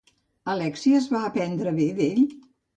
Alèxies va aprendre bé d'ell?